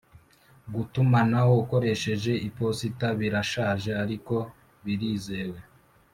gutumanaho ukoresheje iposita birashaje ariko birizewe